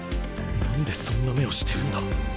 何でそんな目をしてるんだ？